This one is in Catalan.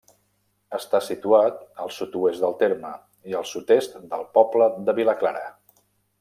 Està situat al sud-oest del terme i al sud-est del poble de Vilaclara.